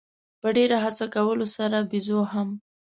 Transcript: په ډېره هڅه کولو سره بېزو هم.